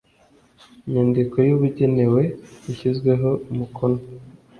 nyandiko yabugenewe yashyizweho umukono